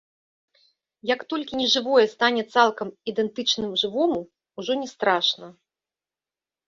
Як толькі нежывое стане цалкам ідэнтычным жывому, ужо не страшна.